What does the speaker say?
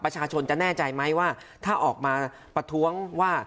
ประชาชนจะแน่ใจไหมว่าถ้าออกมาประท้วงว่า